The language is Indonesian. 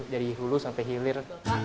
dari lulus sampai hilir